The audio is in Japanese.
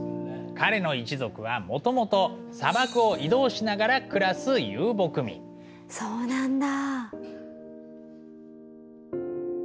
彼の一族はもともと砂漠を移動しながら暮らすそうなんだ。